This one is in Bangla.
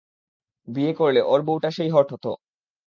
বিয়ে করলে, ওর বউটা সেই হট হতো।